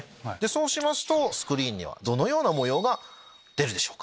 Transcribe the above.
そうしますとスクリーンにはどのような模様が出るでしょう？